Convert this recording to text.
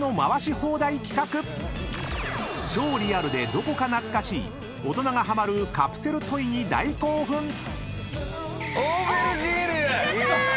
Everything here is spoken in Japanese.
［超リアルでどこか懐かしい大人がハマるカプセルトイに大興奮］出た！